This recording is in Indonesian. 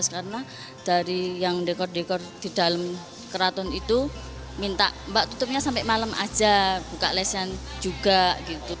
karena dari yang dekor dekor di dalam keraton itu minta mbak tutupnya sampai malem aja buka lesen juga gitu